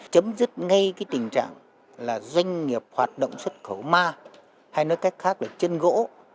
chấm dứt ngay cái tình trạng là doanh nghiệp hoạt động xuất khẩu ma hay nói cách khác là chân gỗ